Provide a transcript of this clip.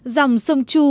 dòng sông chu